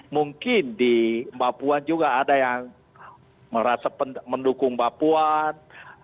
mungkin di papuan juga ada yang merasa mendukung papuan